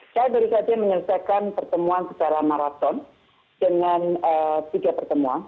saya baru saja menyelesaikan pertemuan secara maraton dengan tiga pertemuan